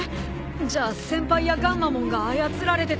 じゃあ先輩やガンマモンが操られてたのは。